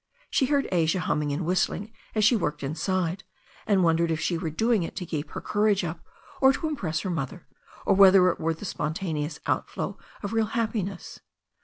She heard Asia humming and whistling as she worked inside, and wondered if she were doing it to keep her courage up, or to impress her mother^ or whether it were the spontaneous overflow of real happi ness.